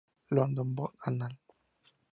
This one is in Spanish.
London, Bot., Anal.